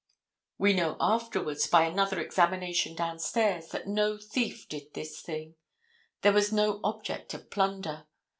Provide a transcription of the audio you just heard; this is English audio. We know afterwards, by another examination downstairs, that no thief did this thing; there was no object of plunder.